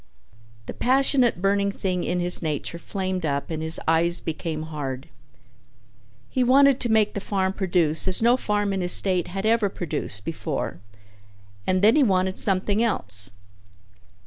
The passionate burning thing in his nature flamed up and his eyes became hard. He wanted to make the farm produce as no farm in his state had ever produced before and then he wanted something else.